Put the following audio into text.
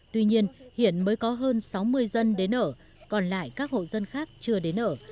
tuy nhiên hiện mới có hơn sáu mươi dân đến ở còn lại các hộ dân khác chưa đến ở